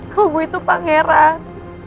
kamu itu pangeran